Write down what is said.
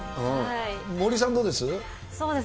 森さん、どうです？